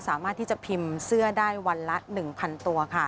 สามารถที่จะพิมพ์เสื้อได้วันละ๑๐๐ตัวค่ะ